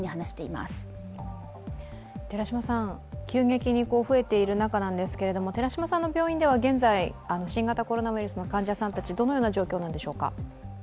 急激に増えているわけですけれども、寺嶋さんの病院では現在、新型コロナウイルスの患者さんたちどのような状況なんでしょうか。